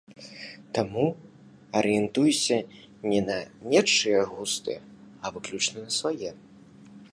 Таму арыентуюся не на нечыя густы, а выключна на свае.